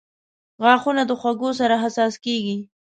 • غاښونه د خوږو سره حساس کیږي.